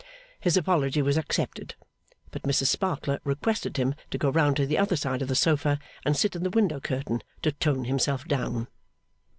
His apology was accepted; but Mrs Sparkler requested him to go round to the other side of the sofa and sit in the window curtain, to tone himself down.